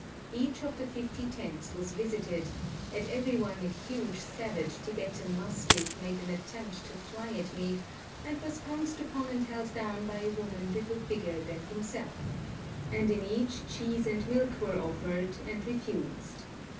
Each of the fifty tents was visited: at every one a huge, savage Tibetan mastiff made an attempt to fly at me, and was pounced upon and held down by a woman little bigger than himself, and in each cheese and milk were offered and refused.